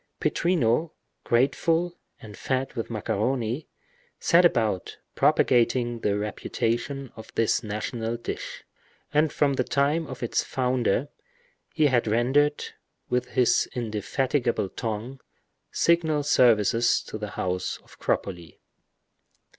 Pittrino, grateful, and fed with macaroni, set about propagating the reputation of this national dish, and from the time of its founder, he had rendered, with his indefatigable tongue, signal services to the house of Cropoli.